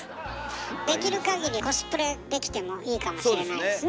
できるかぎりコスプレできてもいいかもしれないですね。